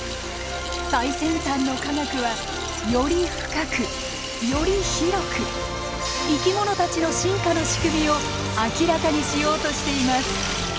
最先端の科学はより深くより広く生き物たちの進化のしくみを明らかにしようとしています。